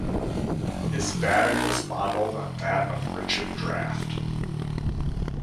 His batting was modelled on that of Richard Daft.